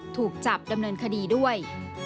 ถูกจับดำเนินคดีด้วย